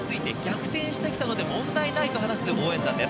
これまで全て追いついて逆転してきたので問題ないと話す応援団です。